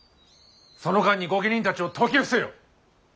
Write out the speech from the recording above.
その間に御家人たちを説き伏せよ。